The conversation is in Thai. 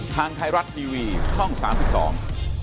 ทางไทยรัฐทีวีช่องสามสิบสอง